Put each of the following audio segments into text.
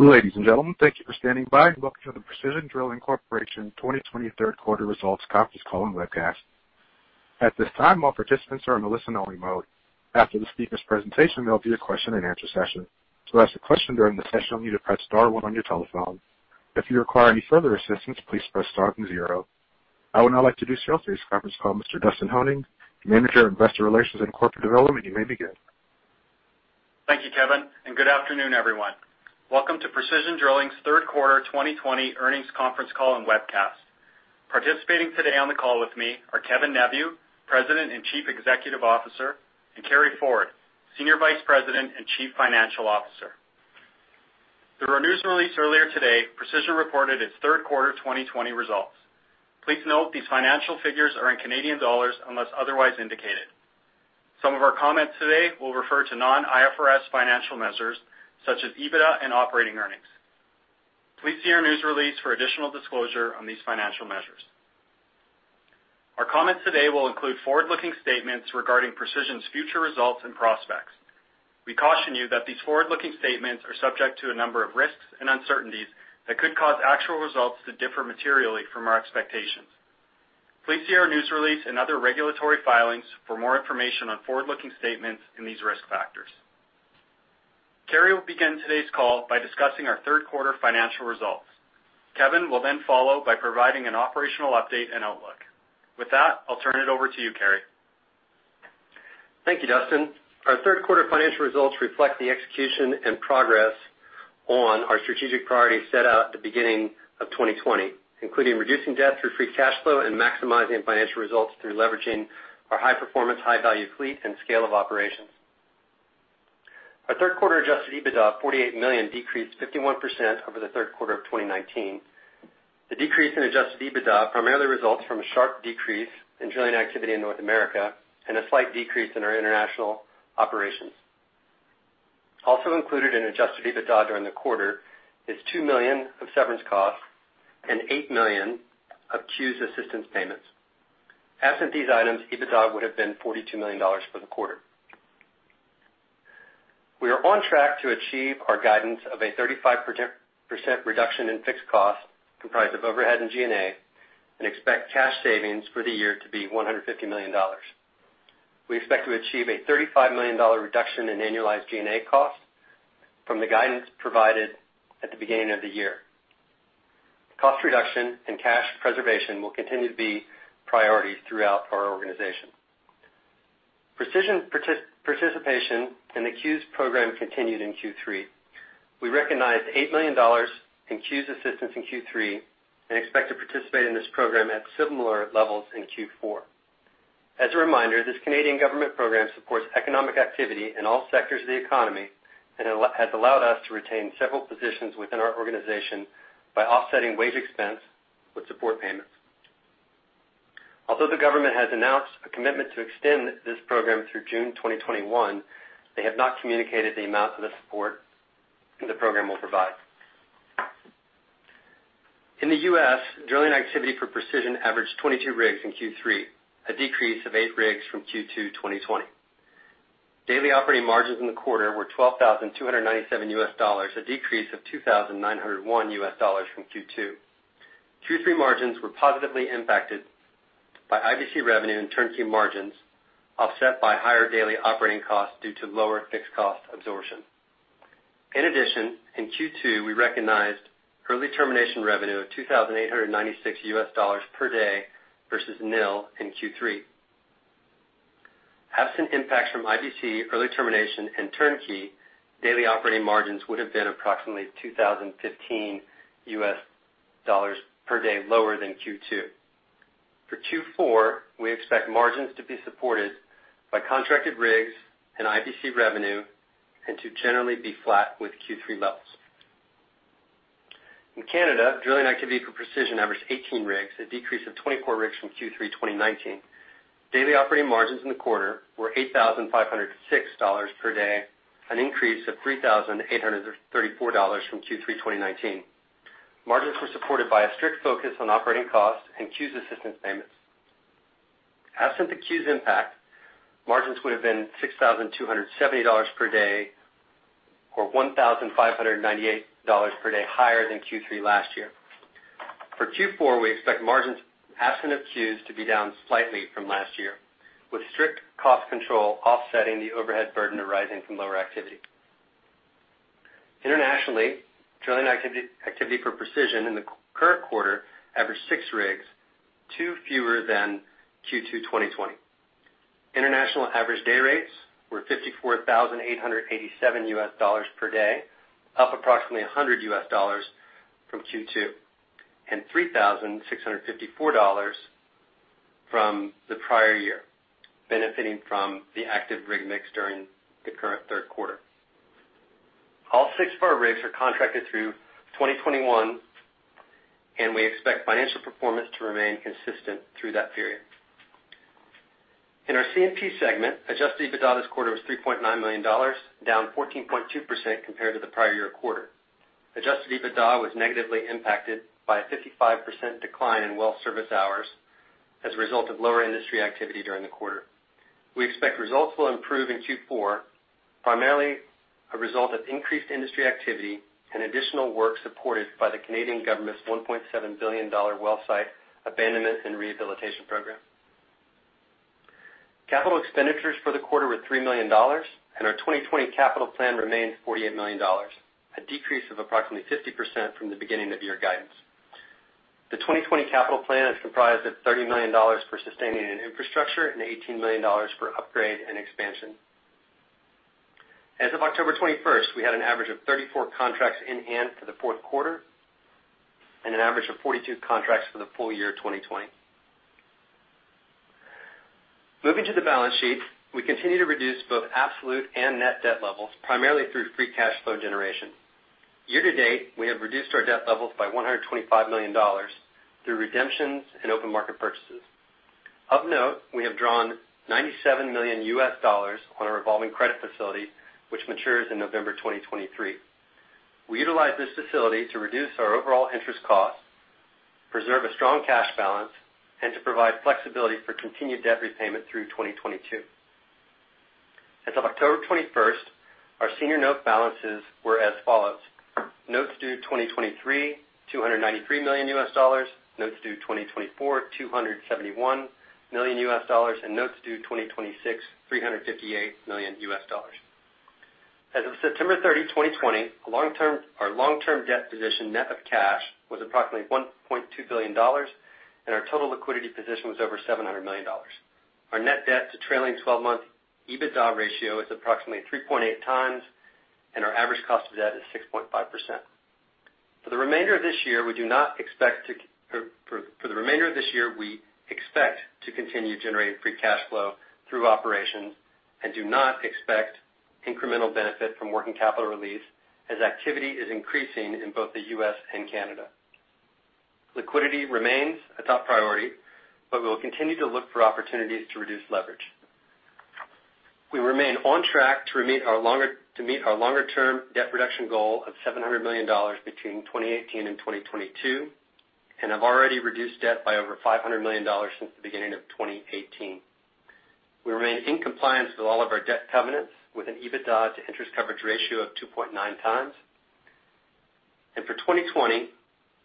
Ladies and gentlemen, thank you for standing by. Welcome to the Precision Drilling Corporation 2020 third quarter results conference call and webcast. At this time, all participants are in listen only mode. After the speaker's presentation, there'll be a question and answer session. To ask a question during the session, you'll need to press star one on your telephone. If you require any further assistance, please press star then zero. I would now like to start today's conference call. Mr. Dustin Honing, Manager of Investor Relations and Corporate Development, you may begin. Thank you, Kevin. Good afternoon, everyone. Welcome to Precision Drilling's third quarter 2020 earnings conference call and webcast. Participating today on the call with me are Kevin Neveu, President and Chief Executive Officer, and Carey Ford, Senior Vice President and Chief Financial Officer. Through our news release earlier today, Precision reported its third quarter 2020 results. Please note these financial figures are in Canadian dollars unless otherwise indicated. Some of our comments today will refer to non-IFRS financial measures such as EBITDA and operating earnings. Please see our news release for additional disclosure on these financial measures. Our comments today will include forward-looking statements regarding Precision's future results and prospects. We caution you that these forward-looking statements are subject to a number of risks and uncertainties that could cause actual results to differ materially from our expectations. Please see our news release and other regulatory filings for more information on forward-looking statements and these risk factors. Carey will begin today's call by discussing our third quarter financial results. Kevin will follow by providing an operational update and outlook. With that, I'll turn it over to you, Carey. Thank you, Dustin. Our third quarter financial results reflect the execution and progress on our strategic priorities set out at the beginning of 2020, including reducing debt through free cash flow and maximizing financial results through leveraging our high performance, high value fleet and scale of operations. Our third quarter adjusted EBITDA of 48 million decreased 51% over the third quarter of 2019. The decrease in adjusted EBITDA primarily results from a sharp decrease in drilling activity in North America and a slight decrease in our international operations. Also included in adjusted EBITDA during the quarter is 2 million of severance costs and 8 million of CEWS assistance payments. Absent these items, EBITDA would have been 42 million dollars for the quarter. We are on track to achieve our guidance of a 35% reduction in fixed costs, comprised of overhead and G&A, and expect cash savings for the year to be 150 million dollars. We expect to achieve a 35 million dollar reduction in annualized G&A costs from the guidance provided at the beginning of the year. Cost reduction and cash preservation will continue to be priorities throughout our organization. Precision participation in the CEWS program continued in Q3. We recognized 8 million dollars in CEWS assistance in Q3, and expect to participate in this program at similar levels in Q4. As a reminder, this Canadian government program supports economic activity in all sectors of the economy and has allowed us to retain several positions within our organization by offsetting wage expense with support payments. Although the government has announced a commitment to extend this program through June 2021, they have not communicated the amount of the support the program will provide. In the U.S., drilling activity for Precision averaged 22 rigs in Q3, a decrease of eight rigs from Q2 2020. Daily operating margins in the quarter were $12,297, a decrease of $2,901 from Q2. Q3 margins were positively impacted by IBC revenue and turnkey margins, offset by higher daily operating costs due to lower fixed cost absorption. In addition, in Q2, we recognized early termination revenue of $2,896 per day versus nil in Q3. Absent impacts from IBC early termination and turnkey, daily operating margins would have been approximately $2,015 per day lower than Q2. For Q4, we expect margins to be supported by contracted rigs and IBC revenue, and to generally be flat with Q3 levels. In Canada, drilling activity for Precision averaged 18 rigs, a decrease of 24 rigs from Q3 2019. Daily operating margins in the quarter were 8,506 dollars per day, an increase of 3,834 dollars from Q3 2019. Margins were supported by a strict focus on operating costs and CEWS assistance payments. Absent the CEWS impact, margins would have been 6,270 dollars per day or 1,598 dollars per day higher than Q3 last year. For Q4, we expect margins absent of CEWS to be down slightly from last year, with strict cost control offsetting the overhead burden arising from lower activity. Internationally, drilling activity for Precision in the current quarter averaged six rigs, two fewer than Q2 2020. International average day rates were $54,887 per day, up approximately $100 from Q2, and 3,654 dollars from the prior year, benefiting from the active rig mix during the current third quarter. All six of our rigs are contracted through 2021. We expect financial performance to remain consistent through that period. In our C&P segment, adjusted EBITDA this quarter was 3.9 million dollars, down 14.2% compared to the prior year quarter. Adjusted EBITDA was negatively impacted by a 55% decline in well service hours as a result of lower industry activity during the quarter. We expect results will improve in Q4, primarily a result of increased industry activity and additional work supported by the Canadian government's 1.7 billion dollar Well Site Abandonment and Rehabilitation Program. Capital expenditures for the quarter were 3 million dollars. Our 2020 capital plan remains 48 million dollars, a decrease of approximately 50% from the beginning of year guidance. The 2020 capital plan is comprised of 30 million dollars for sustaining and infrastructure and 18 million dollars for upgrade and expansion. As of 21stOctober, we had an average of 34 contracts in hand for the fourth quarter and an average of 42 contracts for the full year 2020. Moving to the balance sheet, we continue to reduce both absolute and net debt levels, primarily through free cash flow generation. Year to date, we have reduced our debt levels by 125 million dollars through redemptions and open market purchases. Of note, we have drawn CAD 97 million on our revolving credit facility, which matures in November 2023. We utilize this facility to reduce our overall interest costs, preserve a strong cash balance, and to provide flexibility for continued debt repayment through 2022. As of 21st October, our senior note balances were as follows. Notes due 2023, CAD 293 million. Notes due 2021, CAD 271 million, and notes due 2026, CAD 358 million. As of 30 September, 2020, our long-term debt position net of cash was approximately 1.2 billion dollars, and our total liquidity position was over 700 million dollars. Our net debt to trailing 12-month EBITDA ratio is approximately 3.8 times, and our average cost of debt is 6.5%. For the remainder of this year, we expect to continue generating free cash flow through operations and do not expect incremental benefit from working capital release as activity is increasing in both the U.S. and Canada. Liquidity remains a top priority, but we'll continue to look for opportunities to reduce leverage. We remain on track to meet our longer-term debt reduction goal of 700 million dollars between 2018 and 2022, and have already reduced debt by over 500 million dollars since the beginning of 2018. We remain in compliance with all of our debt covenants with an EBITDA to interest coverage ratio of 2.9 times. For 2020,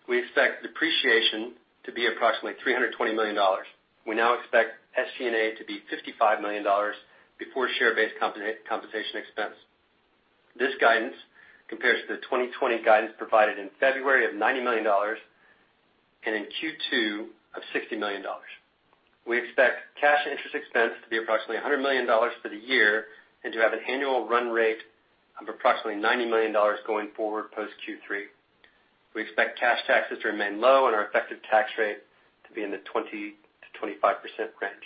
we expect depreciation to be approximately 320 million dollars. We now expect SG&A to be 55 million dollars before share-based compensation expense. This guidance compares to the 2020 guidance provided in February of 90 million dollars, and in Q2 of 60 million dollars. We expect cash interest expense to be approximately 100 million dollars for the year, and to have an annual run rate of approximately 90 million dollars going forward post Q3. We expect cash taxes to remain low and our effective tax rate to be in the 20%-25% range.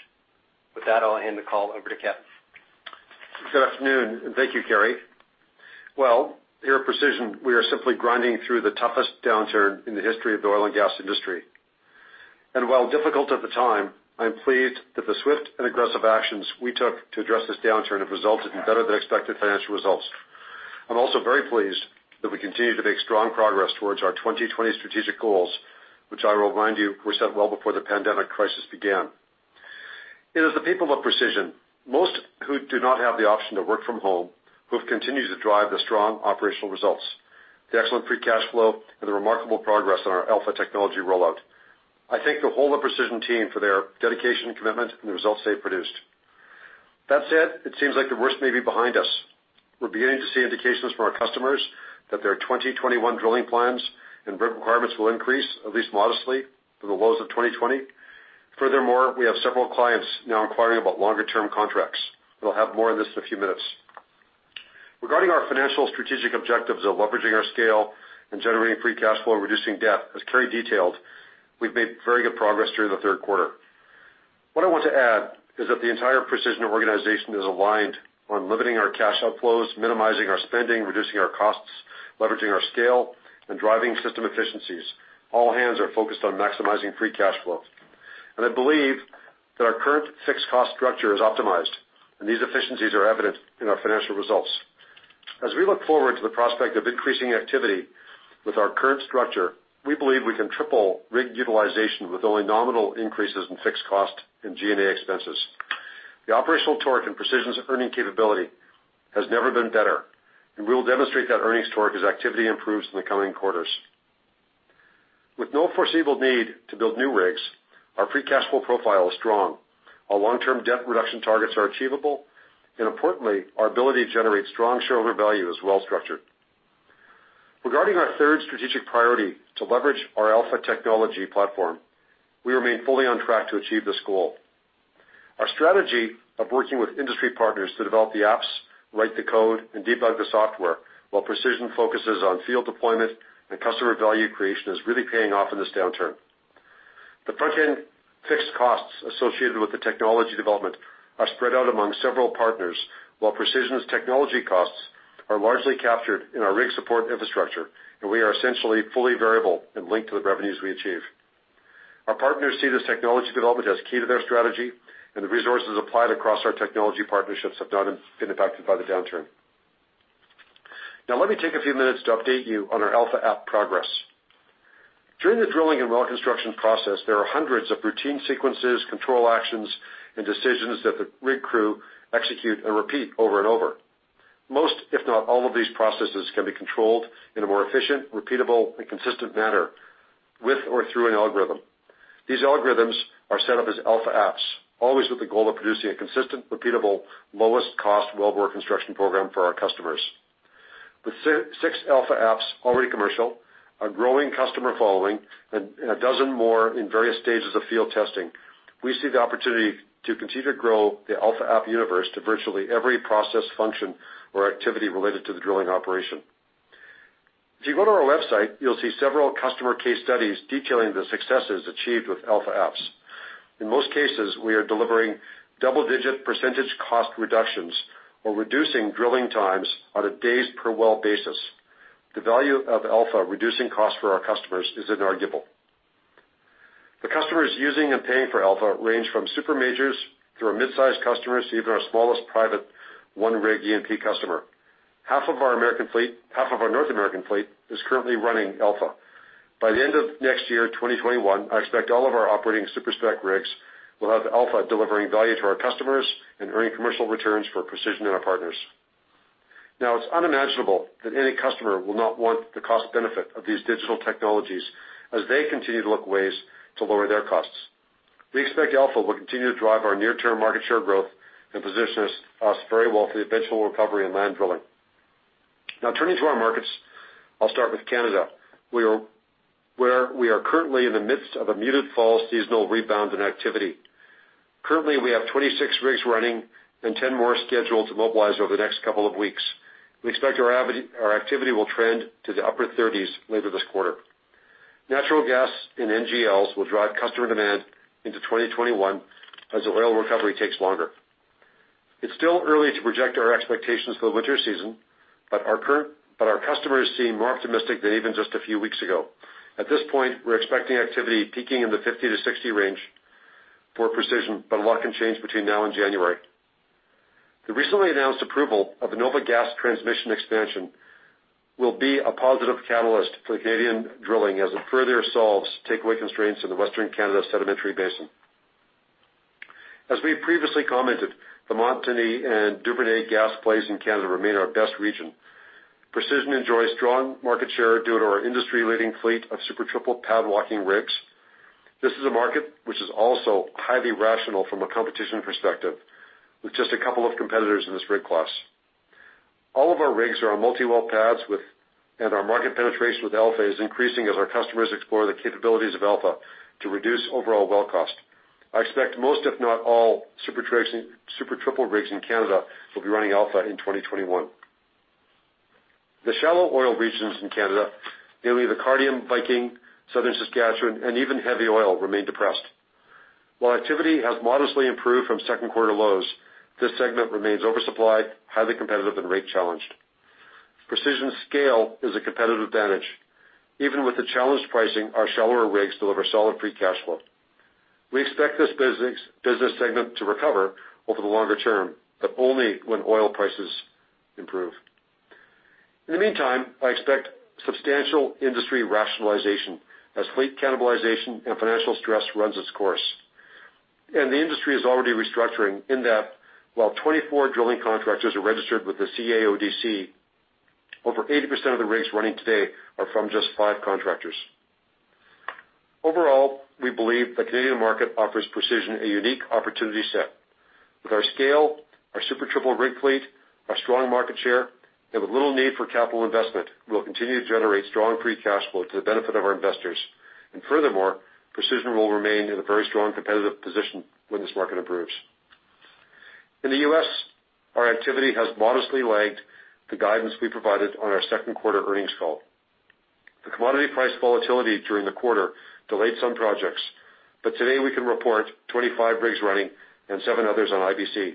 With that, I'll hand the call over to Kevin. Good afternoon. Thank you, Carey. Well, here at Precision, we are simply grinding through the toughest downturn in the history of the oil and gas industry. While difficult at the time, I'm pleased that the swift and aggressive actions we took to address this downturn have resulted in better than expected financial results. I'm also very pleased that we continue to make strong progress towards our 2020 strategic goals, which I remind you, were set well before the pandemic crisis began. It is the people of Precision, most who do not have the option to work from home, who have continued to drive the strong operational results, the excellent free cash flow, and the remarkable progress on our Alpha technology rollout. I thank the whole of Precision team for their dedication, commitment, and the results they produced. That said, it seems like the worst may be behind us. We're beginning to see indications from our customers that their 2021 drilling plans and rig requirements will increase, at least modestly, from the lows of 2020. We have several clients now inquiring about longer term contracts. We'll have more on this in a few minutes. Regarding our financial strategic objectives of leveraging our scale and generating free cash flow and reducing debt, as Carey detailed, we've made very good progress during the third quarter. What I want to add is that the entire Precision organization is aligned on limiting our cash outflows, minimizing our spending, reducing our costs, leveraging our scale, and driving system efficiencies. All hands are focused on maximizing free cash flow. I believe that our current fixed cost structure is optimized, and these efficiencies are evident in our financial results. As we look forward to the prospect of increasing activity with our current structure, we believe we can triple rig utilization with only nominal increases in fixed cost and G&A expenses. The operational torque and Precision's earning capability has never been better, and we will demonstrate that earnings torque as activity improves in the coming quarters. With no foreseeable need to build new rigs, our free cash flow profile is strong. Our long-term debt reduction targets are achievable, and importantly, our ability to generate strong shareholder value is well-structured. Regarding our third strategic priority to leverage our Alpha technology platform, we remain fully on track to achieve this goal. Our strategy of working with industry partners to develop the apps, write the code, and debug the software while Precision focuses on field deployment and customer value creation is really paying off in this downturn. The front end fixed costs associated with the technology development are spread out among several partners, while Precision's technology costs are largely captured in our rig support infrastructure, and we are essentially fully variable and linked to the revenues we achieve. Our partners see this technology development as key to their strategy, and the resources applied across our technology partnerships have not been impacted by the downturn. Now let me take a few minutes to update you on our AlphaApps progress. During the drilling and well construction process, there are hundreds of routine sequences, control actions, and decisions that the rig crew execute and repeat over and over. Most, if not all of these processes can be controlled in a more efficient, repeatable, and consistent manner with or through an algorithm. These algorithms are set up as AlphaApps, always with the goal of producing a consistent, repeatable, lowest cost well bore construction program for our customers. With six AlphaApps already commercial, a growing customer following, and a dozen more in various stages of field testing, we see the opportunity to continue to grow the AlphaApp universe to virtually every process, function, or activity related to the drilling operation. If you go to our website, you'll see several customer case studies detailing the successes achieved with AlphaApps. In most cases, we are delivering double-digit percentage cost reductions or reducing drilling times on a days per well basis. The value of Alpha reducing costs for our customers is inarguable. The customers using and paying for Alpha range from super majors through our mid-size customers to even our smallest private one-rig E&P customer. Half of our North American fleet is currently running Alpha. By the end of next year, 2021, I expect all of our operating Super-Spec rigs will have Alpha delivering value to our customers and earning commercial returns for Precision and our partners. It's unimaginable that any customer will not want the cost benefit of these digital technologies as they continue to look at ways to lower their costs. We expect Alpha will continue to drive our near-term market share growth and position us very well for the eventual recovery in land drilling. Turning to our markets, I'll start with Canada, where we are currently in the midst of a muted fall seasonal rebound in activity. Currently, we have 26 rigs running and 10 more scheduled to mobilize over the next couple of weeks. We expect our activity will trend to the upper 30s later this quarter. Natural gas and NGLs will drive customer demand into 2021 as oil recovery takes longer. It's still early to project our expectations for the winter season, but our customers seem more optimistic than even just a few weeks ago. At this point, we're expecting activity peaking in the 50-60 range for Precision, but a lot can change between now and January. The recently announced approval of the NOVA Gas Transmission expansion will be a positive catalyst for Canadian drilling as it further solves takeaway constraints in the Western Canada Sedimentary Basin As we previously commented, the Montney and Duvernay gas plays in Canada remain our best region. Precision enjoys strong market share due to our industry-leading fleet of Super Triple pad walking rigs. This is a market which is also highly rational from a competition perspective with just a couple of competitors in this rig class. All of our rigs are on multi-well pads and our market penetration with Alpha is increasing as our customers explore the capabilities of Alpha to reduce overall well cost. I expect most, if not all, Super Triple rigs in Canada will be running Alpha in 2021. The shallow oil regions in Canada, namely the Cardium, Viking, Southern Saskatchewan, and even heavy oil remain depressed. While activity has modestly improved from second quarter lows, this segment remains oversupplied, highly competitive, and rate challenged. Precision scale is a competitive advantage. Even with the challenged pricing, our shallower rigs deliver solid free cash flow. We expect this business segment to recover over the longer term, but only when oil prices improve. In the meantime, I expect substantial industry rationalization as fleet cannibalization and financial stress runs its course. The industry is already restructuring in that while 24 drilling contractors are registered with the CAODC, over 80% of the rigs running today are from just five contractors. Overall, we believe the Canadian market offers Precision a unique opportunity set. With our scale, our Super Triple rig fleet, our strong market share, and with little need for capital investment, we'll continue to generate strong free cash flow to the benefit of our investors. Furthermore, Precision will remain in a very strong competitive position when this market improves. In the U.S., our activity has modestly lagged the guidance we provided on our second quarter earnings call. The commodity price volatility during the quarter delayed some projects, but today we can report 25 rigs running and seven others on IBC.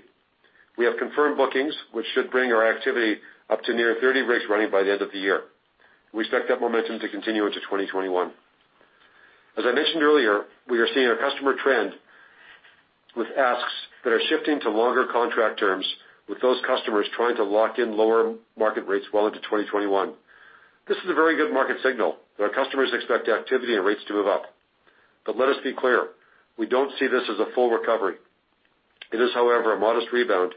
We have confirmed bookings, which should bring our activity up to near 30 rigs running by the end of the year. We expect that momentum to continue into 2021. As I mentioned earlier, we are seeing a customer trend with asks that are shifting to longer contract terms with those customers trying to lock in lower market rates well into 2021. This is a very good market signal that our customers expect activity and rates to move up. Let us be clear, we don't see this as a full recovery. It is, however, a modest rebound.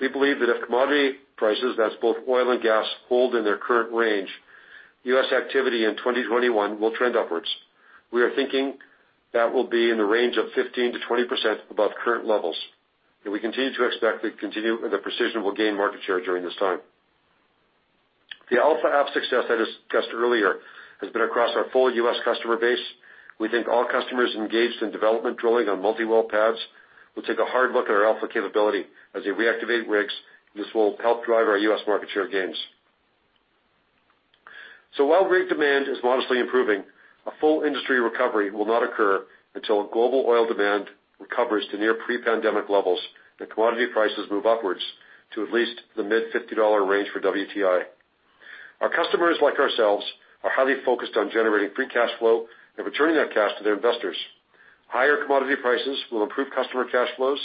We believe that if commodity prices, that's both oil and gas, hold in their current range, U.S. activity in 2021 will trend upwards. We are thinking that will be in the range of 15%-20% above current levels, and we continue to expect that Precision will gain market share during this time. The AlphaApps success I discussed earlier has been across our full U.S. customer base. We think all customers engaged in development drilling on multi-well pads will take a hard look at our Alpha capability as they reactivate rigs. This will help drive our U.S. market share gains. While rig demand is modestly improving, a full industry recovery will not occur until global oil demand recovers to near pre-pandemic levels and commodity prices move upwards to at least the mid-$50 range for WTI. Our customers, like ourselves, are highly focused on generating free cash flow and returning that cash to their investors. Higher commodity prices will improve customer cash flows,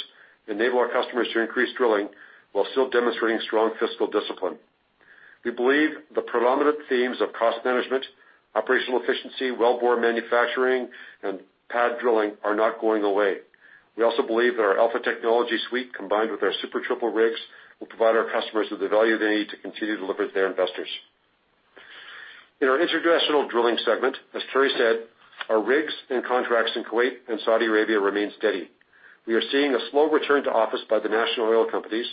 enable our customers to increase drilling while still demonstrating strong fiscal discipline. We believe the predominant themes of cost management, operational efficiency, wellbore manufacturing, and pad drilling are not going away. We also believe that our Alpha technology suite, combined with our Super Triple rigs, will provide our customers with the value they need to continue to deliver to their investors. In our international drilling segment, as Carey said, our rigs and contracts in Kuwait and Saudi Arabia remain steady. We are seeing a slow return to office by the national oil companies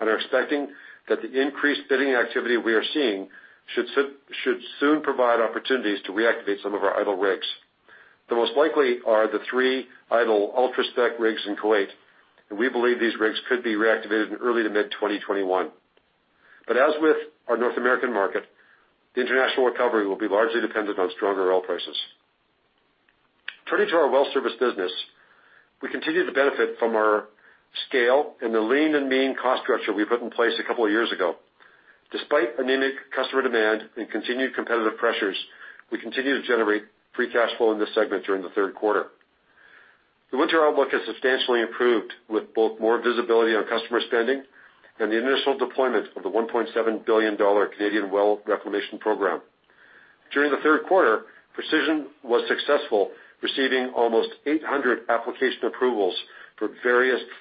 and are expecting that the increased bidding activity we are seeing should soon provide opportunities to reactivate some of our idle rigs. The most likely are the three idle ultra-spec rigs in Kuwait, and we believe these rigs could be reactivated in early to mid-2021. As with our North American market, the international recovery will be largely dependent on stronger oil prices. Turning to our well service business, we continue to benefit from our scale and the lean and mean cost structure we put in place a couple of years ago. Despite anemic customer demand and continued competitive pressures, we continue to generate free cash flow in this segment during the third quarter. The winter outlook has substantially improved, with both more visibility on customer spending and the initial deployment of the 1.7 billion Canadian dollars Canadian Well Reclamation Program. During the third quarter, Precision was successful receiving almost 800 application approvals for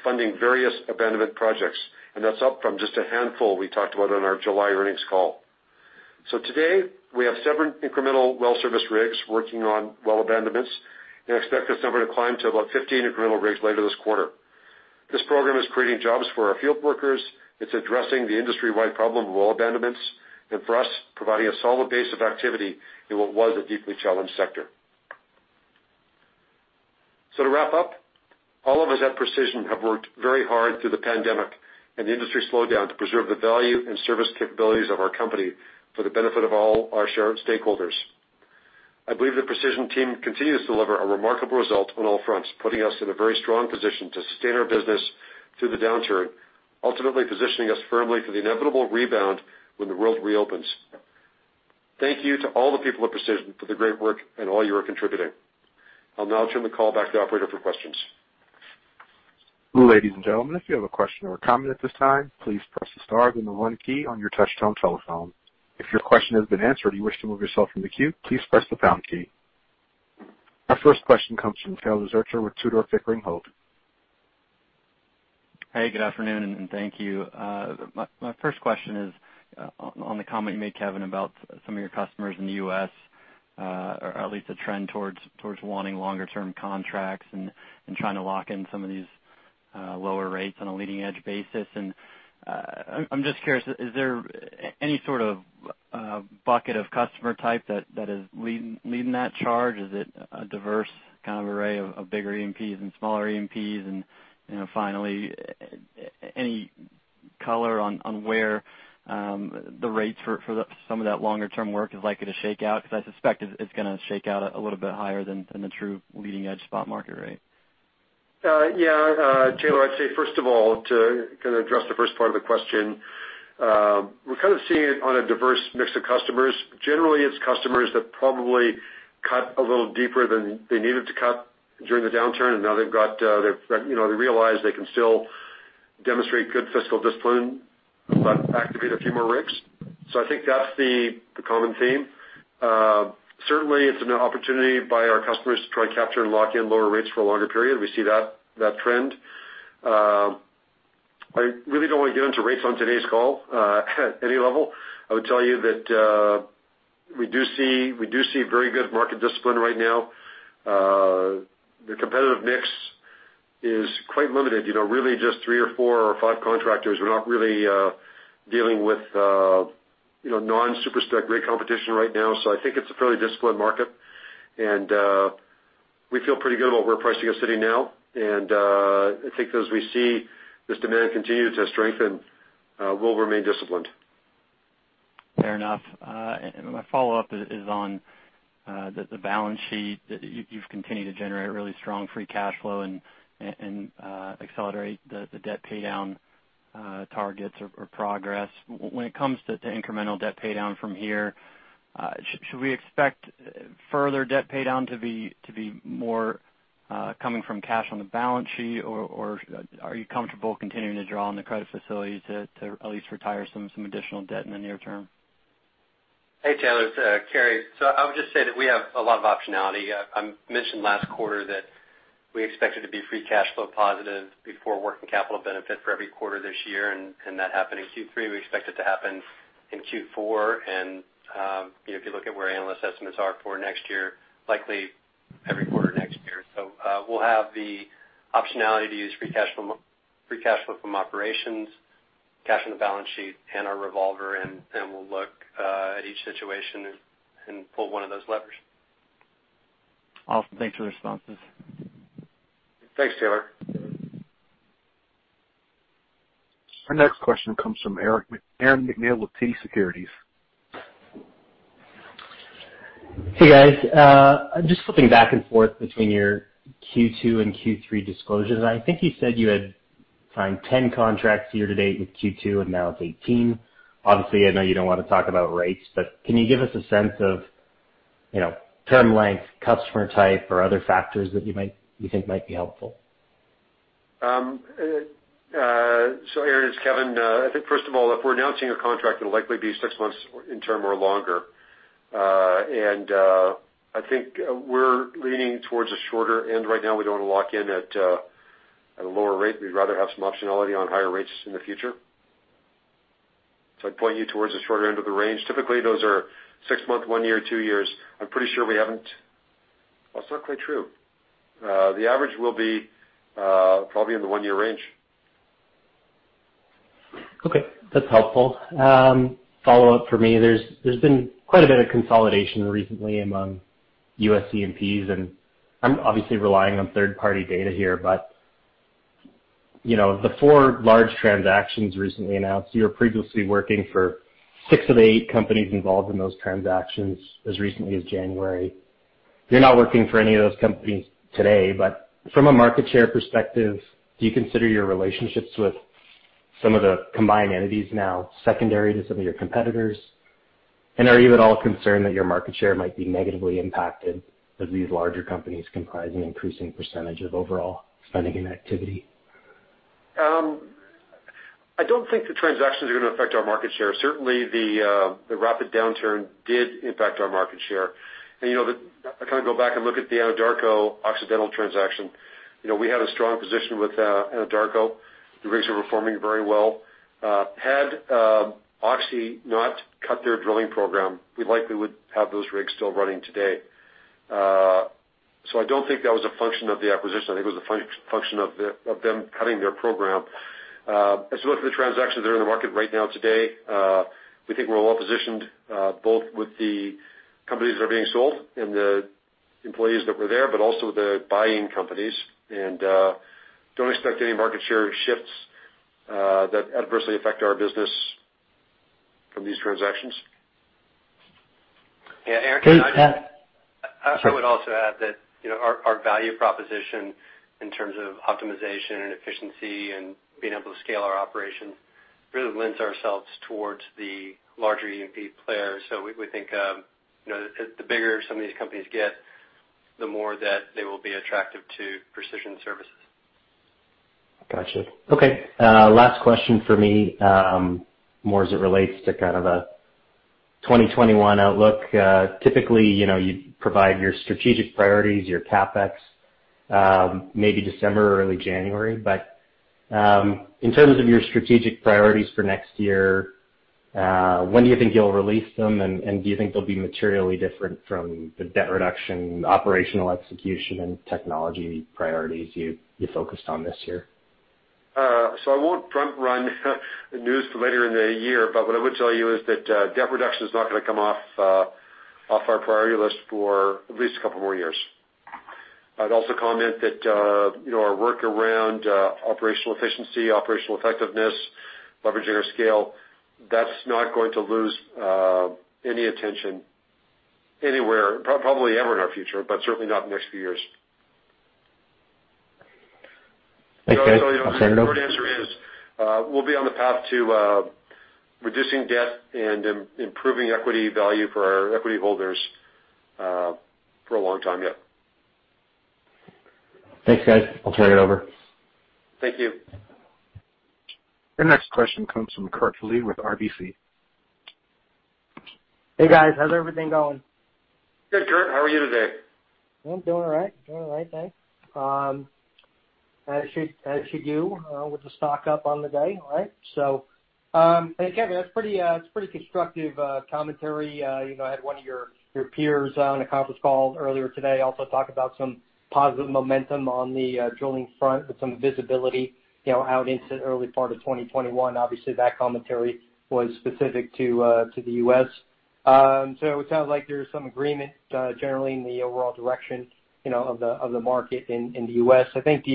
funding various abandonment projects, and that's up from just a handful we talked about on our July earnings call. Today, we have seven incremental well service rigs working on well abandonments and expect this number to climb to about 15 incremental rigs later this quarter. This program is creating jobs for our field workers. It's addressing the industry-wide problem of well abandonments. For us, providing a solid base of activity in what was a deeply challenged sector. To wrap up, all of us at Precision have worked very hard through the pandemic and the industry slowdown to preserve the value and service capabilities of our company for the benefit of all our shareholders. I believe the Precision team continues to deliver a remarkable result on all fronts, putting us in a very strong position to sustain our business through the downturn, ultimately positioning us firmly for the inevitable rebound when the world reopens. Thank you to all the people at Precision for the great work and all you are contributing. I'll now turn the call back to the operator for questions. Our first question comes from Taylor Zurcher with Tudor, Pickering, Holt & Co. Hey, good afternoon, and thank you. My first question is on the comment you made, Kevin, about some of your customers in the U.S., or at least a trend towards wanting longer-term contracts and trying to lock in some of these lower rates on a leading-edge basis. I'm just curious, is there any sort of bucket of customer type that is leading that charge? Is it a diverse kind of array of bigger E&Ps and smaller E&Ps? Finally, any color on where the rates for some of that longer-term work is likely to shake out? Because I suspect it's going to shake out a little bit higher than the true leading-edge spot market rate. Taylor, I'd say, first of all, to kind of address the first part of the question. We're kind of seeing it on a diverse mix of customers. Generally, it's customers that probably cut a little deeper than they needed to cut during the downturn, now they realize they can still demonstrate good fiscal discipline but activate a few more rigs. I think that's the common theme. Certainly, it's an opportunity by our customers to try to capture and lock in lower rates for a longer period. We see that trend. I really don't want to get into rates on today's call at any level. I would tell you that we do see very good market discipline right now. The competitive mix is quite limited. Really just three or four or five contractors. We're not really dealing with non-Super-Spec rig competition right now. I think it's a fairly disciplined market, and we feel pretty good about where pricing is sitting now, and I think as we see this demand continue to strengthen we'll remain disciplined. Fair enough. My follow-up is on the balance sheet. You've continued to generate really strong free cash flow and accelerate the debt paydown targets or progress. When it comes to incremental debt paydown from here, should we expect further debt paydown to be more coming from cash on the balance sheet, or are you comfortable continuing to draw on the credit facility to at least retire some additional debt in the near term? Hey, Taylor, it's Carey. I would just say that we have a lot of optionality. I mentioned last quarter that we expected to be free cash flow positive before working capital benefit for every quarter this year, and that happened in Q3. We expect it to happen in Q4. If you look at where analyst estimates are for next year, likely every quarter next year. We'll have the optionality to use free cash flow from operations, cash on the balance sheet and our revolver, and we'll look at each situation and pull one of those levers. Awesome. Thanks for the responses. Thanks, Taylor. Our next question comes from Aaron MacNeil with TD Securities. Hey guys. I'm just flipping back and forth between your Q2 and Q3 disclosures. I think you said you had signed 10 contracts year to date with Q2 and now it's 18. Obviously, I know you don't want to talk about rates, but can you give us a sense of term length, customer type or other factors that you think might be helpful? Aaron, it's Kevin. I think first of all, if we're announcing a contract it'll likely be six months in term or longer. I think we're leaning towards a shorter end right now. We don't want to lock in at a lower rate. We'd rather have some optionality on higher rates in the future. I'd point you towards the shorter end of the range. Typically, those are six month, one year, two years. I'm pretty sure That's not quite true. The average will be probably in the one-year range. Okay. That's helpful. Follow up for me. There's been quite a bit of consolidation recently among U.S. E&Ps and I'm obviously relying on third-party data here, but the four large transactions recently announced, you were previously working for six of the eight companies involved in those transactions as recently as January. You're not working for any of those companies today, but from a market share perspective, do you consider your relationships with some of the combined entities now secondary to some of your competitors? Are you at all concerned that your market share might be negatively impacted as these larger companies comprise an increasing percentage of overall spending and activity? I don't think the transactions are going to affect our market share. Certainly the rapid downturn did impact our market share. I go back and look at the Anadarko Occidental transaction. We had a strong position with Anadarko. The rigs were performing very well. Had Oxy not cut their drilling program, we likely would have those rigs still running today. I don't think that was a function of the acquisition. I think it was a function of them cutting their program. As we look at the transactions that are in the market right now today, we think we're well-positioned both with the companies that are being sold and the employees that were there, but also the buying companies and don't expect any market share shifts that adversely affect our business from these transactions. Yeah, Aaron, I would also add that our value proposition in terms of optimization and efficiency and being able to scale our operations really lends ourselves towards the larger E&P players. We think the bigger some of these companies get, the more that they will be attractive to Precision services. Got you. Okay. Last question for me, more as it relates to kind of a 2021 outlook. Typically, you provide your strategic priorities, your CapEx maybe December or early January. In terms of your strategic priorities for next year, when do you think you'll release them, and do you think they'll be materially different from the debt reduction, operational execution and technology priorities you focused on this year? I won't front run news later in the year, but what I would tell you is that debt reduction is not gonna come off our priority list for at least a couple more years. I'd also comment that our work around operational efficiency, operational effectiveness, leveraging our scale, that's not going to lose any attention anywhere, probably ever in our future, but certainly not in the next few years. Okay. The short answer is we'll be on the path to reducing debt and improving equity value for our equity holders for a long time yet. Thanks, guys. I'll turn it over. Thank you. Your next question comes from Keith Mackey with RBC. Hey, guys. How's everything going? Good, Keith. How are you today? I'm doing all right. Doing all right, thanks. As you do with the stock up on the day, right? Hey, Kevin, that's pretty constructive commentary. I had one of your peers on a conference call earlier today also talk about some positive momentum on the drilling front with some visibility out into the early part of 2021. Obviously, that commentary was specific to the U.S. It sounds like there's some agreement generally in the overall direction of the market in the U.S. I think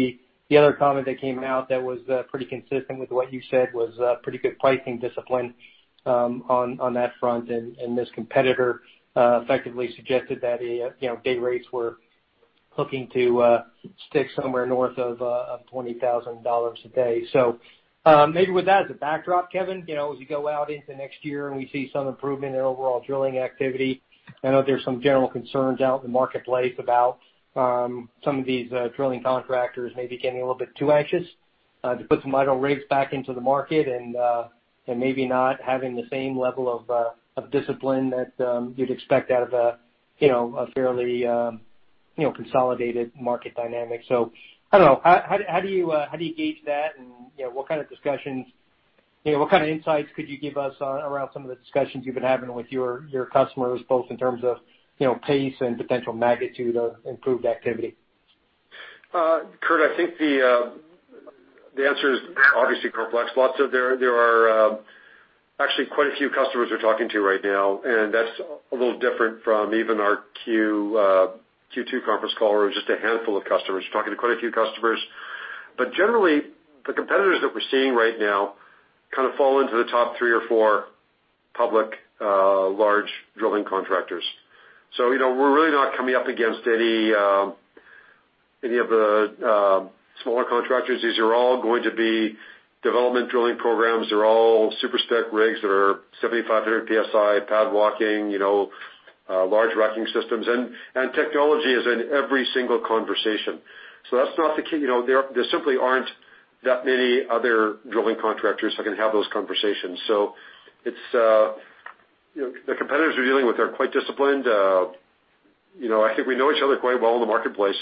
the other comment that came out that was pretty consistent with what you said was pretty good pricing discipline on that front. This competitor effectively suggested that day rates were looking to stick somewhere north of 20,000 dollars a day. Maybe with that as a backdrop, Kevin, as we go out into next year and we see some improvement in overall drilling activity, I know there's some general concerns out in the marketplace about some of these drilling contractors maybe getting a little bit too anxious to put some idle rigs back into the market and maybe not having the same level of discipline that you'd expect out of a fairly consolidated market dynamic. I don't know. How do you gauge that and what kind of insights could you give us around some of the discussions you've been having with your customers, both in terms of pace and potential magnitude of improved activity? Keith, I think the answer is obviously complex. There are actually quite a few customers we're talking to right now, and that's a little different from even our Q2 conference call where it was just a handful of customers. We're talking to quite a few customers. Generally, the competitors that we're seeing right now kind of fall into the top three or four public, large drilling contractors. We're really not coming up against any of the smaller contractors. These are all going to be development drilling programs. They're all Super-Spec rigs that are 7,500 PSI, pad walking, large racking systems. Technology is in every single conversation. There simply aren't that many other drilling contractors who can have those conversations. The competitors we're dealing with are quite disciplined. I think we know each other quite well in the marketplace,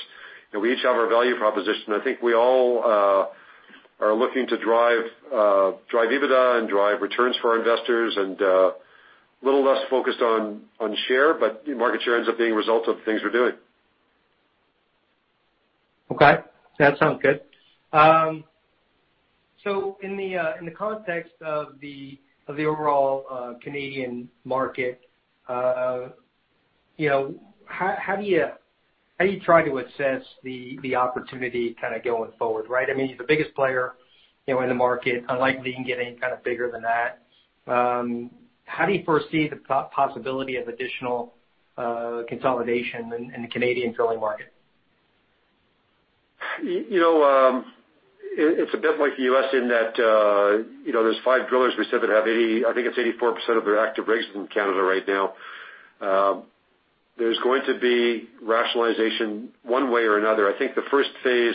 and we each have our value proposition. I think we all are looking to drive EBITDA and drive returns for our investors and a little less focused on share, but market share ends up being a result of the things we're doing. Okay. That sounds good. In the context of the overall Canadian market, how do you try to assess the opportunity kind of going forward, right? You're the biggest player in the market, unlikely you can get any kind of bigger than that. How do you foresee the possibility of additional consolidation in the Canadian drilling market? It's a bit like the U.S. in that there's five drillers we said that have 80, I think it's 84% of their active rigs in Canada right now. There's going to be rationalization one way or another. I think the first phase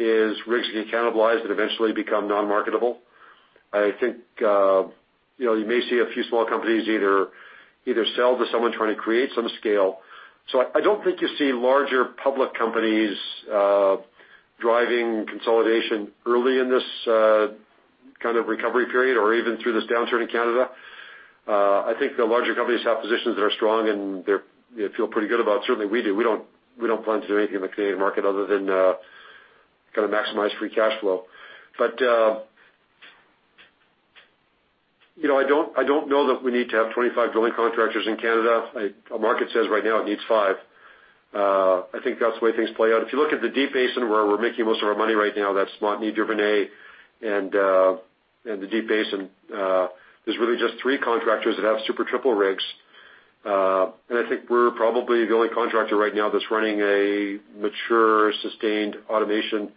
is rigs getting cannibalized and eventually become non-marketable. I think you may see a few small companies either sell to someone trying to create some scale. I don't think you see larger public companies driving consolidation early in this kind of recovery period or even through this downturn in Canada. I think the larger companies have positions that are strong, and they feel pretty good about. Certainly, we do. We don't plan to do anything in the Canadian market other than kind of maximize free cash flow. I don't know that we need to have 25 drilling contractors in Canada. Our market says right now it needs five. I think that's the way things play out. If you look at the Deep Basin, where we're making most of our money right now, that Montney Duvernay and the Deep Basin, there's really just three contractors that have Super Triple rigs. I think we're probably the only contractor right now that's running a mature, sustained automation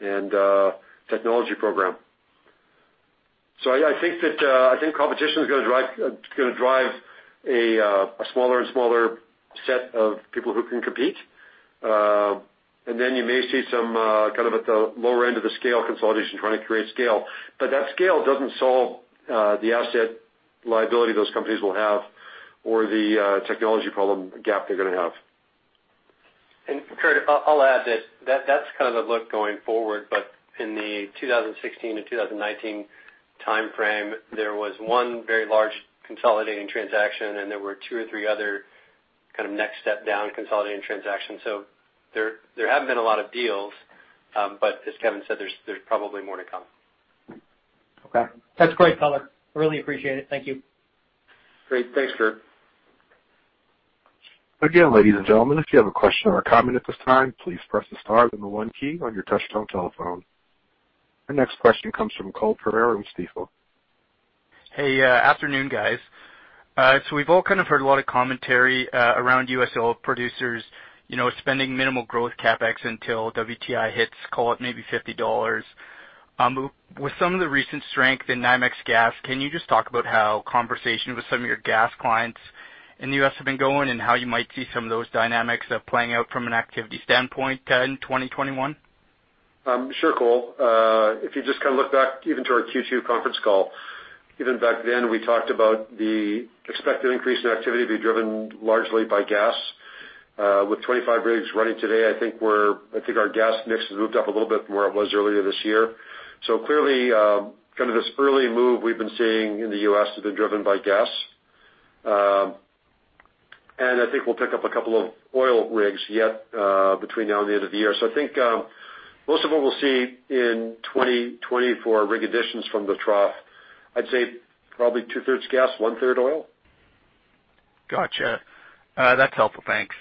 and technology program. I think competition is gonna drive a smaller and smaller set of people who can compete. You may see some kind of at the lower end of the scale consolidation, trying to create scale. That scale doesn't solve the asset liability those companies will have or the technology problem gap they're gonna have. Keith, I'll add that that's kind of the look going forward, but in the 2016-2019 timeframe, there was one very large consolidating transaction, and there were two or three other kind of next step down consolidating transactions. There haven't been a lot of deals, but as Kevin said, there's probably more to come. Okay. That's great color. Really appreciate it. Thank you. Great. Thanks, Keith. Again, ladies and gentlemen, if you have a question or comment at this time, please press the star then the one key on your touchtone telephone. Our next question comes from Cole Pereira with Stifel. Hey, afternoon, guys. We've all kind of heard a lot of commentary around U.S. oil producers spending minimal growth CapEx until WTI hits, call it maybe $50. With some of the recent strength in NYMEX gas, can you just talk about how conversation with some of your gas clients in the U.S. have been going and how you might see some of those dynamics playing out from an activity standpoint in 2021? Sure, Cole. If you just kind of look back even to our Q2 conference call, even back then, we talked about the expected increase in activity being driven largely by gas. With 25 rigs running today, I think our gas mix has moved up a little bit from where it was earlier this year. Clearly, kind of this early move we've been seeing in the U.S. has been driven by gas. I think we'll pick up a couple of oil rigs yet between now and the end of the year. I think most of what we'll see in 2021 rig additions from the trough, I'd say probably two-thirds gas, one-third oil. Gotcha. That's helpful. Thanks.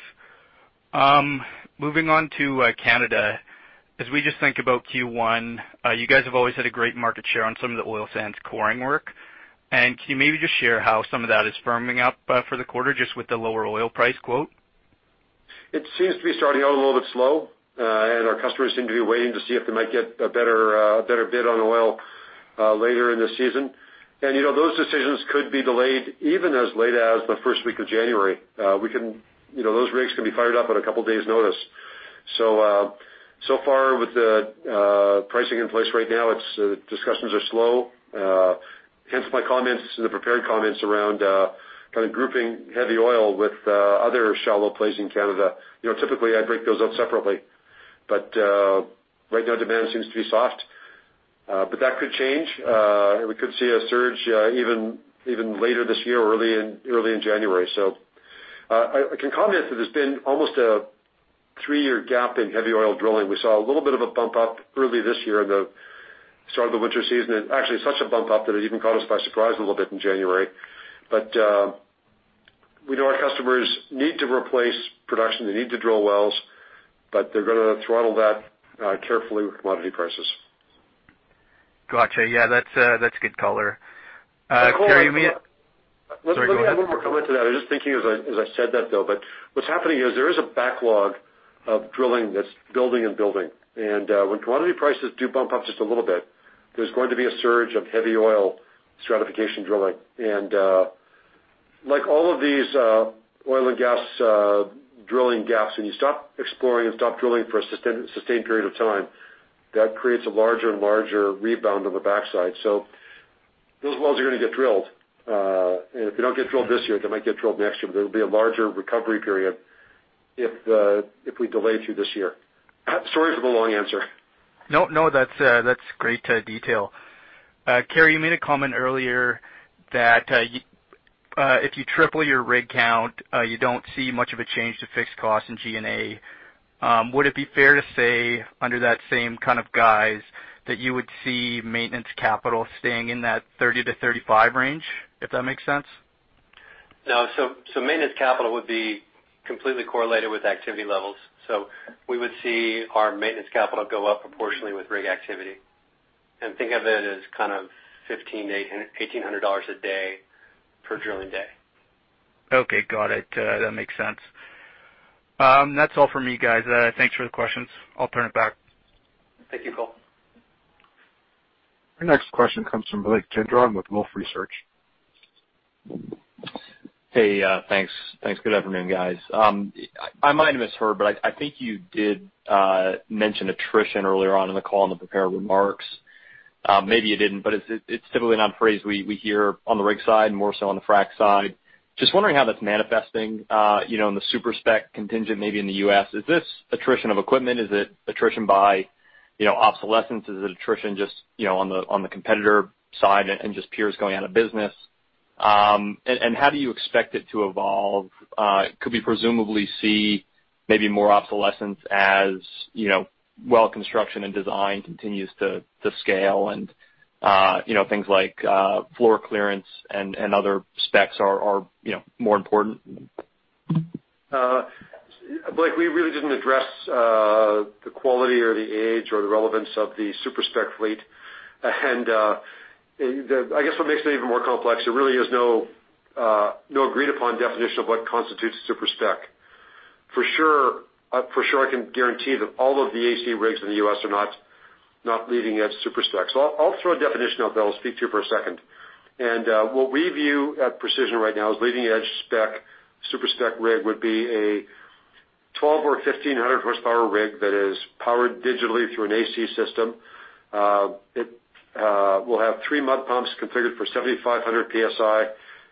Moving on to Canada. As we just think about Q1, you guys have always had a great market share on some of the oil sands coring work. Can you maybe just share how some of that is firming up for the quarter just with the lower oil price quote? It seems to be starting out a little bit slow, and our customers seem to be waiting to see if they might get a better bid on oil later in the season. Those decisions could be delayed even as late as the first week of January. Those rigs can be fired up on a couple of days' notice. uncertain in place right now, discussions are slow. Hence my comments in the prepared comments around kind of grouping heavy oil with other shallow plays in Canada. Typically, I break those out separately, but right now demand seems to be soft. That could change. We could see a surge even later this year or early in January. I can comment that there's been almost a three-year gap in heavy oil drilling. We saw a little bit of a bump up early this year in the start of the winter season, and actually such a bump up that it even caught us by surprise a little bit in January. We know our customers need to replace production, they need to drill wells, but they're going to throttle that carefully with commodity prices. Got you. Yeah, that's a good caller. Cole- Carey, Sorry, go ahead. Let me add one more comment to that. I was just thinking as I said that, though, but what's happening is there is a backlog of drilling that's building and building, and when commodity prices do bump up just a little bit, there's going to be a surge of heavy oil stratigraphic drilling. Like all of these oil and gas drilling gaps, when you stop exploring and stop drilling for a sustained period of time, that creates a larger and larger rebound on the backside. Those wells are going to get drilled. If they don't get drilled this year, they might get drilled next year, but there'll be a larger recovery period if we delay through this year. Sorry for the long answer. No, that's great detail. Carey, you made a comment earlier that if you triple your rig count, you don't see much of a change to fixed costs in G&A. Would it be fair to say, under that same kind of guise, that you would see maintenance capital staying in that 30-35 range, if that makes sense? No, maintenance capital would be completely correlated with activity levels. We would see our maintenance capital go up proportionally with rig activity. Think of it as kind of 1,500-1,800 dollars a day per drilling day. Okay, got it. That makes sense. That's all for me, guys. Thanks for the questions. I'll turn it back. Thank you, Cole. Our next question comes from Blake Gendron with Wolfe Research. Hey, thanks. Good afternoon, guys. I might have misheard, but I think you did mention attrition earlier on in the call in the prepared remarks. Maybe you didn't, but it's typically not a phrase we hear on the rig side, more so on the frac side. Just wondering how that's manifesting in the Super-Spec contingent, maybe in the U.S. Is this attrition of equipment? Is it attrition by obsolescence? Is it attrition just on the competitor side and just peers going out of business? How do you expect it to evolve? Could we presumably see maybe more obsolescence as well construction and design continues to scale and things like floor clearance and other specs are more important? Blake, we really didn't address the quality or the age or the relevance of the Super-Spec fleet. I guess what makes it even more complex, there really is no agreed upon definition of what constitutes a Super-Spec. For sure, I can guarantee that all of the AC rigs in the U.S. are not leading-edge Super-Specs. I'll throw a definition out there. I'll speak to you for a second. What we view at Precision right now as leading-edge Super-Spec rig would be a 1,200 or 1,500 horsepower rig that is powered digitally through an AC system. It will have three mud pumps configured for 7,500 PSI.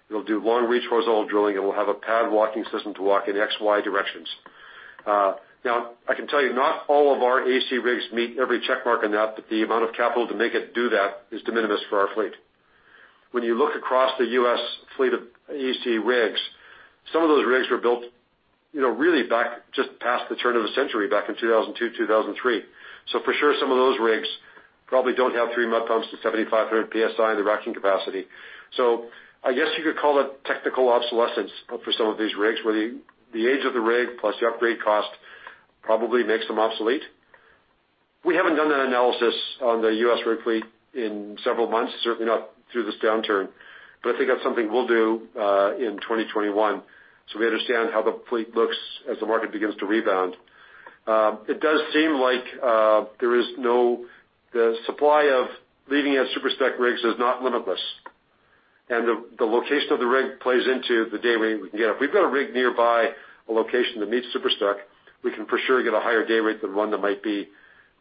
It'll do long reach horizontal drilling, and we'll have a pad walking system to walk in X, Y directions. I can tell you, not all of our AC rigs meet every check mark on that, but the amount of capital to make it do that is de minimis for our fleet. When you look across the U.S. fleet of AC rigs, some of those rigs were built really back just past the turn of the century, back in 2002, 2003. For sure, some of those rigs probably don't have three mud pumps to 7,500 PSI, the racking capacity. I guess you could call it technical obsolescence for some of these rigs, where the age of the rig plus the upgrade cost probably makes them obsolete. We haven't done that analysis on the U.S. rig fleet in several months, certainly not through this downturn, but I think that's something we'll do in 2021 so we understand how the fleet looks as the market begins to rebound. It does seem like the supply of leading edge Super-Spec rigs is not limitless, and the location of the rig plays into the day rate we can get. If we've got a rig nearby a location that needs Super-Spec, we can for sure get a higher day rate than one that might be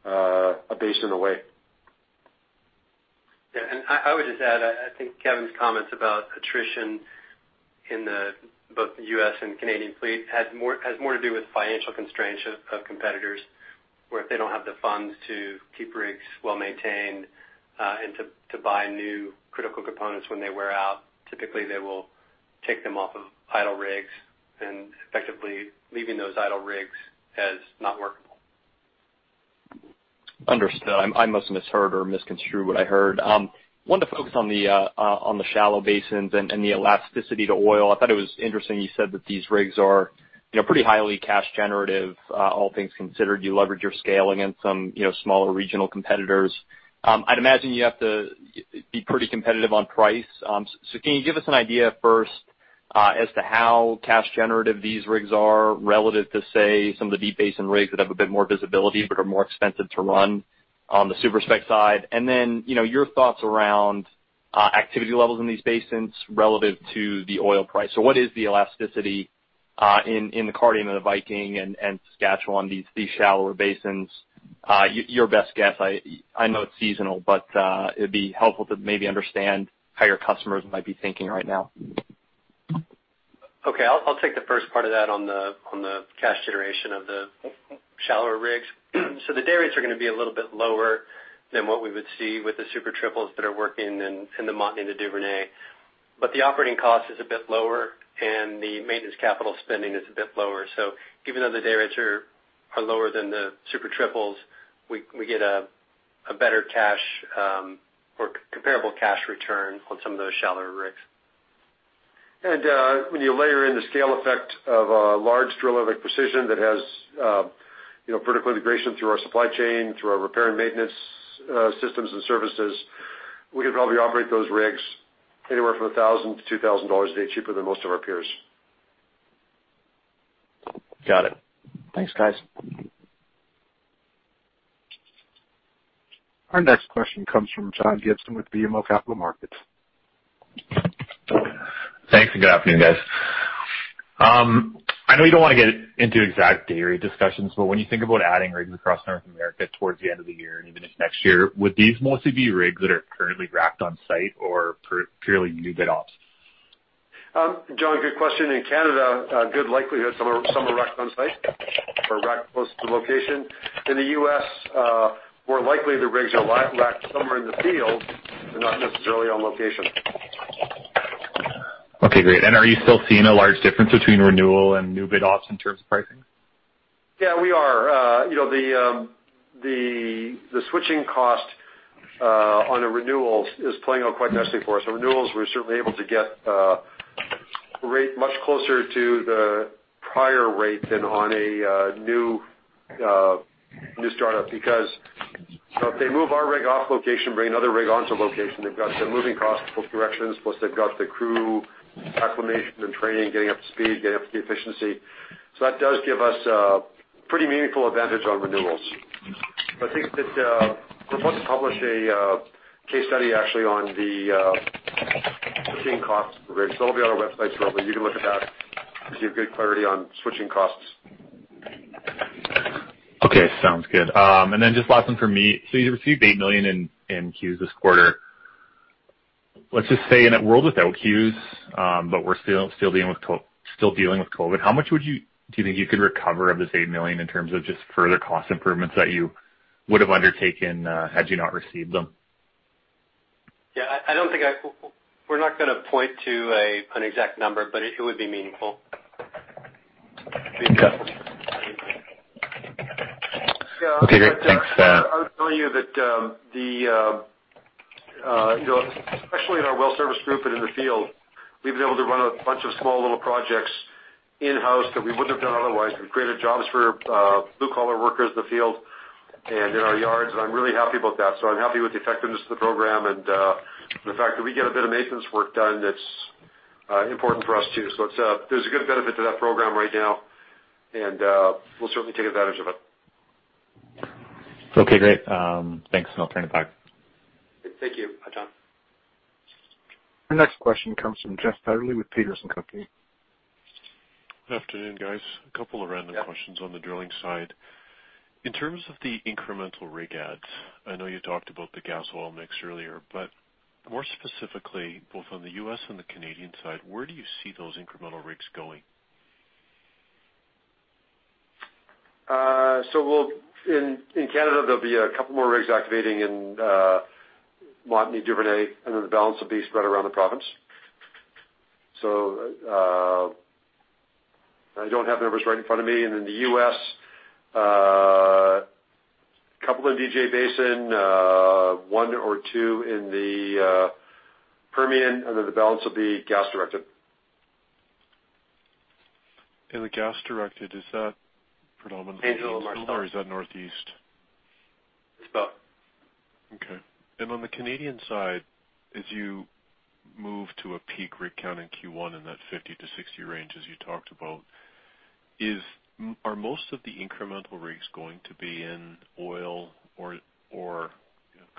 a basin away. Yeah, I would just add, I think Kevin's comments about attrition in both the U.S. and Canadian fleet has more to do with financial constraints of competitors, where if they don't have the funds to keep rigs well-maintained and to buy new critical components when they wear out, typically they will take them off of idle rigs and effectively leaving those idle rigs as not workable. Understood. I must have misheard or misconstrued what I heard. Wanted to focus on the shallow basins and the elasticity to oil. I thought it was interesting you said that these rigs are pretty highly cash generative all things considered. You leverage your scale against some smaller regional competitors. I'd imagine you have to be pretty competitive on price. Can you give us an idea first as to how cash generative these rigs are relative to, say, some of the deep basin rigs that have a bit more visibility but are more expensive to run on the Super-Spec side? Then, your thoughts around activity levels in these basins relative to the oil price. What is the elasticity in the Cardium, and the Viking, and Saskatchewan, these shallower basins? Your best guess, I know it's seasonal, but it'd be helpful to maybe understand how your customers might be thinking right now. Okay. I'll take the first part of that on the cash generation of the shallower rigs. The day rates are gonna be a little bit lower than what we would see with the Super Triples that are working in the Montney to Duvernay. The operating cost is a bit lower and the maintenance capital spending is a bit lower. Even though the day rates are lower than the Super Triples, we get a better cash or comparable cash return on some of those shallower rigs. When you layer in the scale effect of a large driller like Precision that has vertical integration through our supply chain, through our repair and maintenance systems and services, we can probably operate those rigs anywhere from 1,000-2,000 dollars a day cheaper than most of our peers. Got it. Thanks, guys. Our next question comes from John Gibson with BMO Capital Markets. Thanks, good afternoon, guys. I know you don't want to get into exact day rate discussions, but when you think about adding rigs across North America towards the end of the year and even into next year, would these mostly be rigs that are currently racked on site or purely new bid ops? John, good question. In Canada, good likelihood some are racked on site or racked close to location. In the U.S., more likely the rigs are racked somewhere in the field, but not necessarily on location. Okay, great. Are you still seeing a large difference between renewal and new bid ops in terms of pricing? Yeah, we are. The switching cost on a renewal is playing out quite nicely for us. Renewals, we're certainly able to get rate much closer to the prior rate than on a new startup, because if they move our rig off location, bring another rig onto location, they've got the moving costs both directions, plus they've got the crew acclimation and training, getting up to speed, getting up to the efficiency. That does give us a pretty meaningful advantage on renewals. I think that we're supposed to publish a case study actually on the switching costs for rigs. That'll be on our website shortly. You can look at that to give good clarity on switching costs. Okay, sounds good. Just last one from me. You received 8 million in CEWS this quarter. Let's just say in a world without CEWS, but we're still dealing with COVID, how much do you think you could recover of this 8 million in terms of just further cost improvements that you would have undertaken had you not received them? Yeah, we're not going to point to an exact number, but it would be meaningful. Okay, great. Thanks. I would tell you that, especially in our well service group and in the field, we've been able to run a bunch of small little projects in-house that we wouldn't have done otherwise. We've created jobs for blue collar workers in the field and in our yards, and I'm really happy about that. I'm happy with the effectiveness of the program and the fact that we get a bit of maintenance work done that's important for us, too. There's a good benefit to that program right now, and we'll certainly take advantage of it. Okay, great. Thanks. I'll turn it back. Thank you, John. Our next question comes from Jeff Pedley with Peters & Co. Limited. Good afternoon, guys. A couple of random questions on the drilling side. In terms of the incremental rig adds, I know you talked about the gas oil mix earlier, but more specifically, both on the U.S. and the Canadian side, where do you see those incremental rigs going? In Canada, there'll be a couple more rigs activating in Montney-Duvernay, the balance will be spread around the province. I don't have numbers right in front of me. In the U.S., a couple in DJ Basin, one or two in the Permian, the balance will be gas directed. The gas directed, is that predominantly still or is that Northeast? It's both. Okay. On the Canadian side, as you move to a peak rig count in Q1 in that 50 to 60 range as you talked about, are most of the incremental rigs going to be in oil or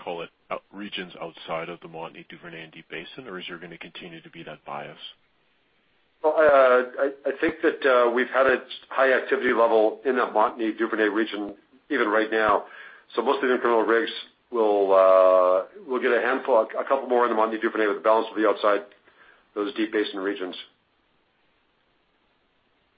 call it regions outside of the Montney-Duvernay and Deep Basin? Or is there going to continue to be that bias? I think that we've had a high activity level in that Montney-Duvernay region even right now. Most of the incremental rigs will get a handful, a couple more in the Montney-Duvernay, but the balance will be outside those Deep Basin regions.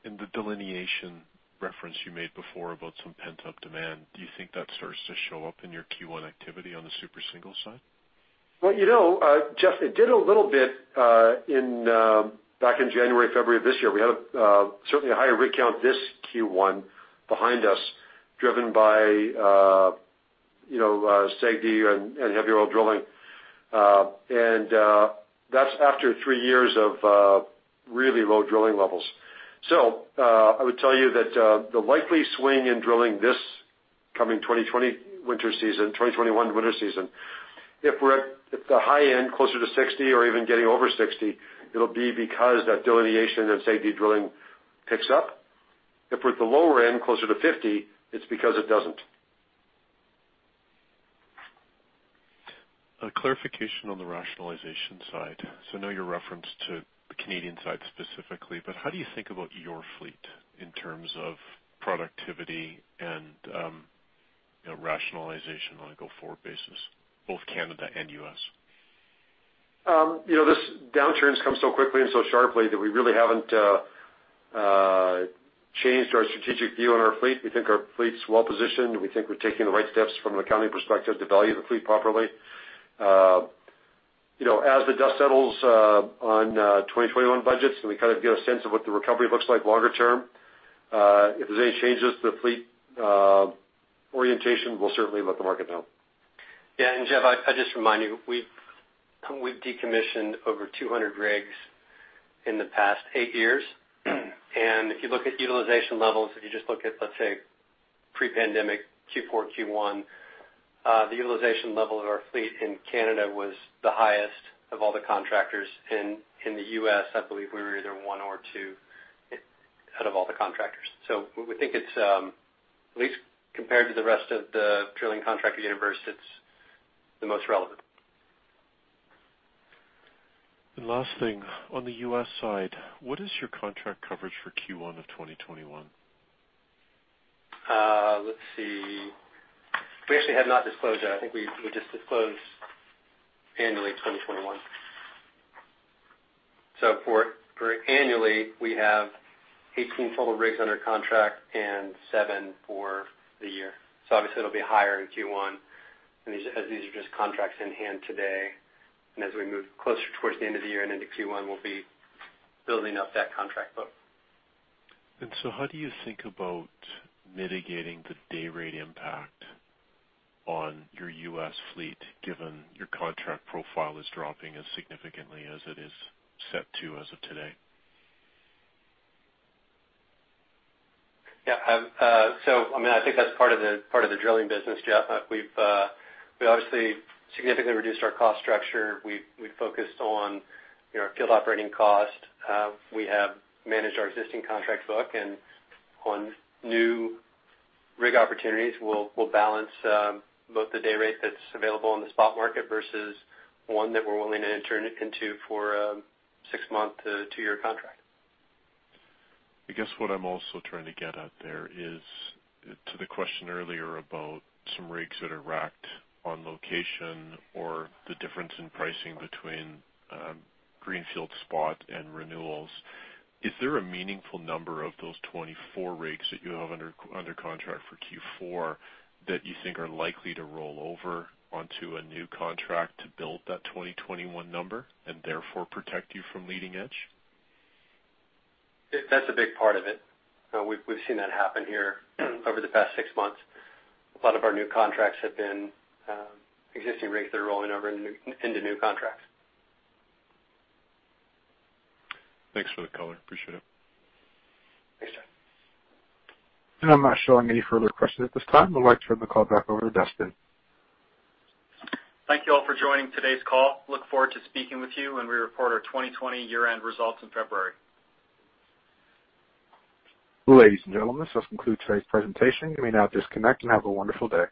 In the delineation reference you made before about some pent-up demand, do you think that starts to show up in your Q1 activity on the Super Single side? Well, Jeff, it did a little bit back in January, February of this year. We had certainly a higher rig count this Q1 behind us driven by SAGD and heavy oil drilling. That's after three years of really low drilling levels. I would tell you that the likely swing in drilling this coming 2021 winter season, if we're at the high end closer to 60 or even getting over 60, it'll be because that delineation and SAGD drilling picks up. If we're at the lower end closer to 50, it's because it doesn't. A clarification on the rationalization side. I know you referenced to the Canadian side specifically, but how do you think about your fleet in terms of productivity and rationalization on a go-forward basis, both Canada and U.S.? This downturn's come so quickly and so sharply that we really haven't changed our strategic view on our fleet. We think our fleet's well positioned. We think we're taking the right steps from an accounting perspective to value the fleet properly. As the dust settles on 2021 budgets and we kind of get a sense of what the recovery looks like longer term, if there's any changes to the fleet orientation, we'll certainly let the market know. Yeah. Jeff, I'd just remind you, we've decommissioned over 200 rigs in the past eight years. If you look at utilization levels, if you just look at, let's say, pre-pandemic Q4, Q1, the utilization level of our fleet in Canada was the highest of all the contractors. In the U.S., I believe we were either one or two out of all the contractors. We think it's, at least compared to the rest of the drilling contractor universe, it's the most relevant. Last thing. On the U.S. side, what is your contract coverage for Q1 of 2021? Let's see. We actually have not disclosed that. I think we just disclosed annually 2021. For annually, we have 18 total rigs under contract and seven for the year. Obviously it'll be higher in Q1 as these are just contracts in hand today. As we move closer towards the end of the year and into Q1, we'll be building up that contract book. How do you think about mitigating the day rate impact on your U.S. fleet, given your contract profile is dropping as significantly as it is set to as of today? I think that's part of the drilling business, Jeff. We've obviously significantly reduced our cost structure. We've focused on our field operating cost. We have managed our existing contract book, and on new rig opportunities, we'll balance both the day rate that's available in the spot market versus one that we're willing to enter into for a six-month to two-year contract. I guess what I'm also trying to get at there is, to the question earlier about some rigs that are racked on location or the difference in pricing between greenfield spot and renewals, is there a meaningful number of those 24 rigs that you have under contract for Q4 that you think are likely to roll over onto a new contract to build that 2021 number and therefore protect you from leading edge? That's a big part of it. We've seen that happen here over the past six months. A lot of our new contracts have been existing rigs that are rolling over into new contracts. Thanks for the color. Appreciate it. Thanks, Jeff. I'm not showing any further questions at this time. I'd like to turn the call back over to Dustin. Thank you all for joining today's call. Look forward to speaking with you when we report our 2020 year-end results in February. Ladies and gentlemen, this does conclude today's presentation. You may now disconnect, and have a wonderful day.